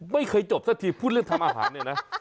ไม่เคยจบสักทีพูดเรื่องทำอาหารเนี่ยนะ